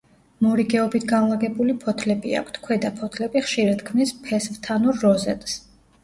მორიგეობით განლაგებული ფოთლები აქვთ; ქვედა ფოთლები ხშირად ქმნის ფესვთანურ როზეტს.